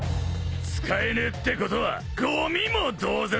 使えねえってことはゴミも同然だ。